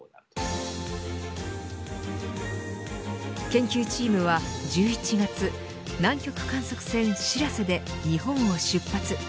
研究チームは１１月南極観測船しらせで日本を出発。